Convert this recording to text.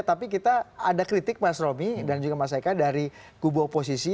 tapi kita ada kritik mas romi dan juga mas eka dari kubu oposisi